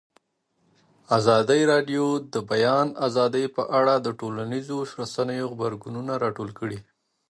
ازادي راډیو د د بیان آزادي په اړه د ټولنیزو رسنیو غبرګونونه راټول کړي.